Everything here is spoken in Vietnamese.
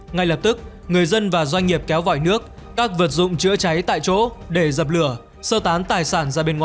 ngay lập tức người dân và doanh nghiệp kéo vọi nước các vật dụng chữa cháy tại chỗ để dập lửa